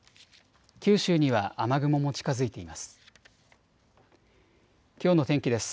九州には雨雲も近づいています。